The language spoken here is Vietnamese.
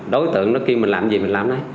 đối tượng nó kêu mình làm gì mình làm đấy